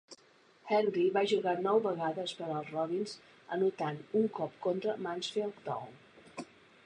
Henry va jugar nou vegades per als Robins anotant un cop contra Mansfield Town.